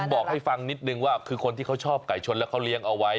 บอกให้ฟังนิดนึงว่าคือคนที่เขาชอบไก่ชนแล้วเขาเลี้ยงเอาไว้